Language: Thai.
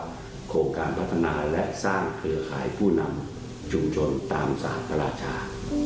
โครงการพัฒนาและสร้างเครือข่ายผู้นำชุมชนตามสหราชา